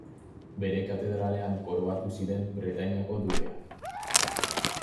Bere katedralean koroatu ziren Bretainiako dukeak.